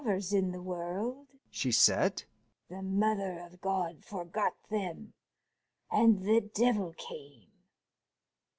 "There were two lovers in the world," she said: "the Mother of God forgot them, and the devil came.